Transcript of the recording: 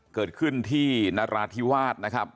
เกิดขึ้นที่นราธิวาสนะครับ